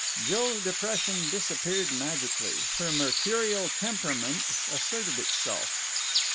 Jill's depression disappeared magically. Her mercurial temperament asserted itself.